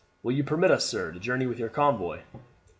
Will you permit us, sir, to journey with your convoy?